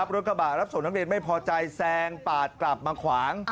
รถกระบะรับส่งนักเรียนไม่พอใจแซงปาดกลับมาขวาง